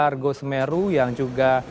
argo semeru yang juga